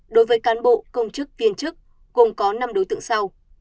đối với cán bộ công chức viên chức gồm có năm đối tượng sau